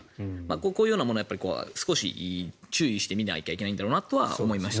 こういうものは少し注意して見ないといけないんだろうなとは思いました。